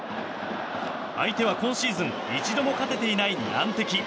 相手は今シーズン一度も勝てていない難敵。